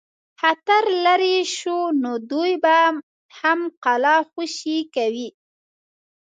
خطر لیري شو نو دوی به هم قلا خوشي کوي.